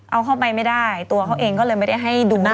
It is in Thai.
เอาเข้าไปไม่ได้ตัวเขาเองก็เลยไม่ได้ให้ดู